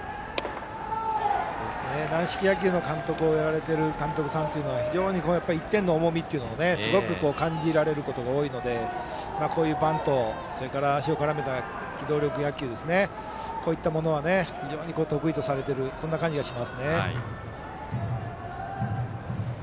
軟式野球の監督をやられている監督さんは非常に１点の重みというのをすごく感じられることが多いのでバント、それから足を絡めた機動力野球といったものを得意とされているそんな感じがしますね。